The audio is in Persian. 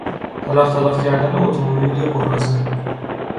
تلقتلق کردن اتومبیل قراضه